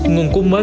nguồn cung mới